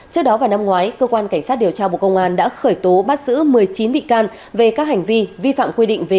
trước đó vào năm ngoái cơ quan cảnh sát điều tra bộ công an đã khởi tố bắt giữ một mươi chín bị can về các hành vi vi phạm quy định về